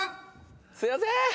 すいません！